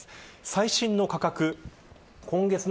最新の価格です。